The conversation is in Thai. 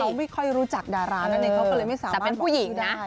แต่เขาไม่ค่อยรู้จักดารานั่นเองเขาเลยไม่สามารถบอกว่าได้